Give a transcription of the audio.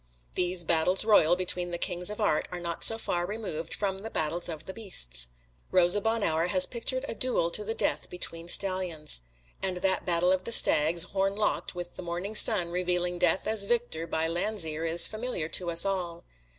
These battles royal between the kings of art are not so far removed from the battles of the beasts. Rosa Bonheur has pictured a duel to the death between stallions; and that battle of the stags horn locked with the morning sun revealing Death as victor, by Landseer, is familiar to us all.